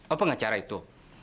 oh pengacara itu